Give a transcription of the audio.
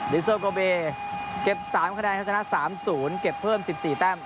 เซอร์โกเบเก็บ๓คะแนนครับชนะ๓๐เก็บเพิ่ม๑๔แต้ม